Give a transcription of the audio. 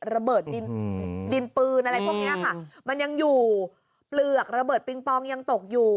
ระเบิดดินปืนอะไรพวกเนี้ยค่ะมันยังอยู่เปลือกระเบิดปิงปองยังตกอยู่